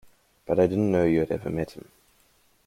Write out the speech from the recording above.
But I didn't know you had ever met him.